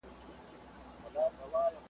سر پر سر به ښې مزې واخلو له ژونده `